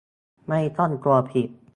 ไม่ต้องกลัวผิด